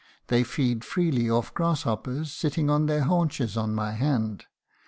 They feed freely off grasshoppers, sitting on their haunches on my hand.